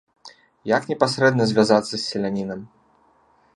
Як непасрэдна звязацца з селянінам?